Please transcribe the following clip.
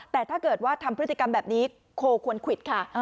แต่ถ้าเกิดว่าทำพฤติกรรมแบบนี้โคควรควิดค่ะ